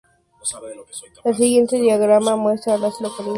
El siguiente diagrama muestra a las localidades en un radio de de St.